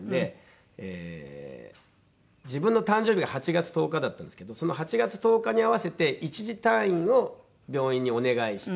自分の誕生日が８月１０日だったんですけどその８月１０日に合わせて一時退院を病院にお願いして。